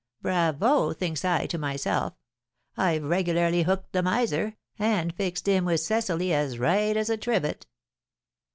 'Bravo!' thinks I to myself, 'I've regularly hooked the miser, and fixed him with Cecily as right as a trivet.